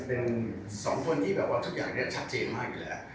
จริงนะครับเป็น๒คนที่แบบว่าทุกอย่างจะชัดเจนมากอีกแล้ว